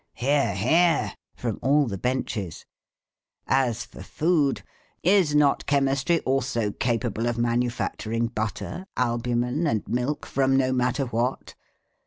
('Hear! hear!' from all the benches). As for food, is not chemistry also capable of manufacturing butter, albumen, and milk from no matter what?